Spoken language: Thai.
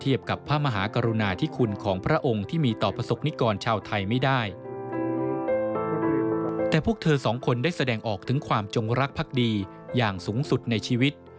แต่พวกเธอสองคนได้แสดงออกถึงความจงรักภักดีอย่างสูงสุดในชีวิต